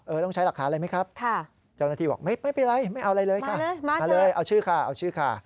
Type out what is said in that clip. ต้องใช้หลักฐานอะไรไหมครับเจ้าหน้าที่บอกไม่เป็นไรไม่เอาอะไรเลยค่ะมาเลยเอาชื่อค่ะเอาชื่อค่ะ